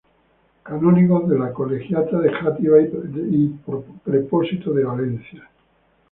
Canónigo de la colegial de Játiva y prepósito de Valencia.